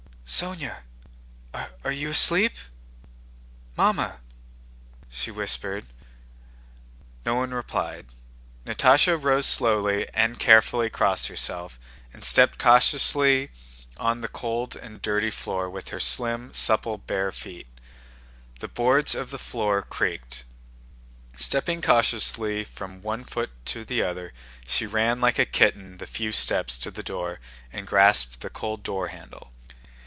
"Sónya, are you asleep? Mamma?" she whispered. No one replied. Natásha rose slowly and carefully, crossed herself, and stepped cautiously on the cold and dirty floor with her slim, supple, bare feet. The boards of the floor creaked. Stepping cautiously from one foot to the other she ran like a kitten the few steps to the door and grasped the cold door handle.